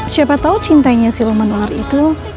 siapa tau cintanya si loman ular itu